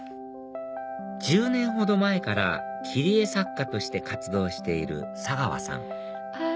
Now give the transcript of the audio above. １０年ほど前から切り絵作家として活動している佐川さん